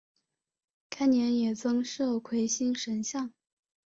该年也增设魁星神像。